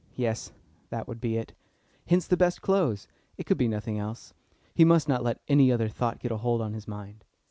Yes; that would be it. Hence the best clothes. It could be nothing else. He must not let any other thought get a hold on his mind.